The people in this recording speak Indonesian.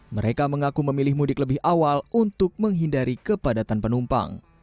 mereka mengaku memilih mudik lebih awal untuk menghindari kepadatan penumpang